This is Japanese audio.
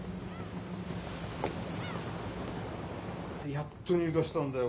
やっと入荷したんだよ